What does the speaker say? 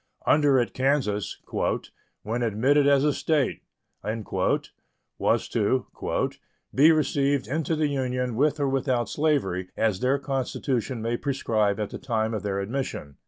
Under it Kansas, "when admitted as a State," was to "be received into the Union with or without slavery, as their constitution may prescribe at the time of their admission."